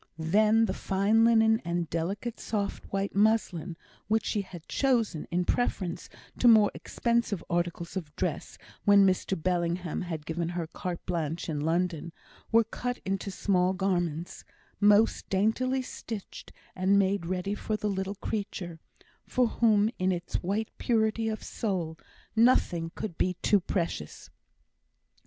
Then the fine linen and delicate soft white muslin, which she had chosen in preference to more expensive articles of dress when Mr Bellingham had given her carte blanche in London, were cut into small garments, most daintily stitched and made ready for the little creature, for whom in its white purity of soul nothing could be too precious.